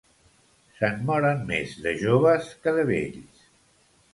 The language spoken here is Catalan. Se'n moren més de joves que de vells.